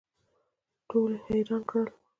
ټول یې حیران کړل.